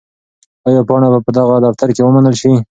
آیا پاڼه به په دغه دفتر کې ومنل شي؟